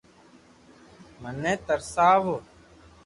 مني ترساوُ